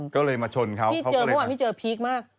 ก็เลยมาชนเขาเพราะว่าพี่เจอพีคมาก